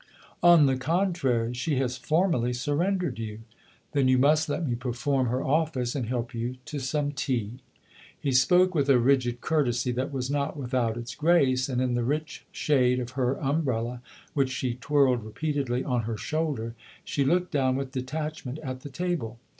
" On the contrary ; she has formally surrendered you." " Then you must let me perform her office and help you to some tea." He spoke with a rigid courtesy that was not without its grace, and in the rich shade of her umbrella, which she twirled repeatedly on her shoulder, she looked down with detachment at the table.